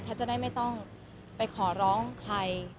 จะได้ไม่ต้องไปขอร้องใคร